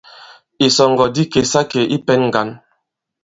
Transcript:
Ìsɔ̀ŋgɔ̀ di kèsa ikè i pɛ̄n ŋgǎn.